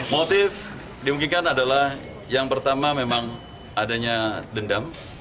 motif dimungkinkan adalah yang pertama memang adanya dendam